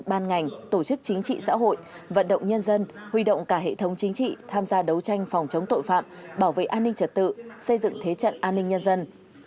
ban ngành tổ chức chính trị xã hội vận động nhân dân huy động cả hệ thống chính trị tham gia đấu tranh phòng chống tội phạm bảo vệ an ninh trật tự xây dựng thế trận an ninh nhân dân